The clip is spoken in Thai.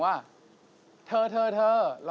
สวัสดีครับ